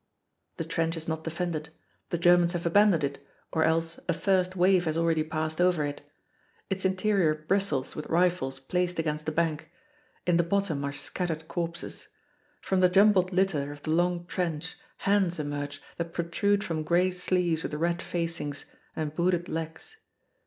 The trench is not defended. The Germans have abandoned it, or else a first wave has already passed over it. Its interior bristles with rifles placed against the bank. In the bottom are scattered corpses. From the jumbled litter of the long trench, hands emerge that protrude from gray sleeves with red facings, and booted legs.